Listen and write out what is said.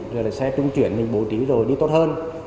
rồi là xe trung chuyển được bổ trí rồi đi tốt hơn